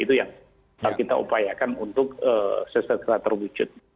itu yang kita upayakan untuk sesekala terwujud